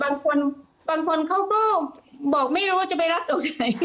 บางคนบางคนเขาก็บอกไม่รู้ว่าจะไปรับตรงไหน